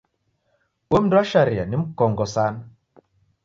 Uo mndu wa sharia ni mkongo sana.